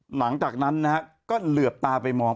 หลังจากนั้นนะฮะก็เหลือบตาไปมอง